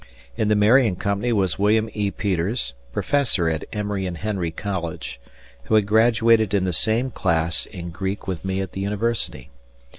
In the Marion company was William E. Peters, Professor at Emory and Henry College, who had graduated in the same class in Greek with me at the University.